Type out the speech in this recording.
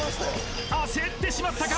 焦ってしまったか？